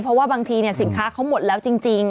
เพราะว่าบางทีสินค้าเขาหมดแล้วจริง